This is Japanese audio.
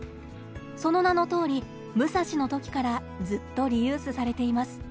その名のとおり「武蔵ＭＵＳＡＳＨＩ」の時からずっとリユースされています。